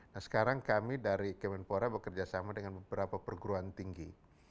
nah sekarang kami dari kemenpora bekerja sama dengan beberapa perguruan tinggi